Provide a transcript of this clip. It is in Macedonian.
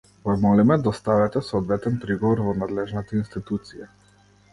Ве молиме доставете соодветен приговор во надлежната институција.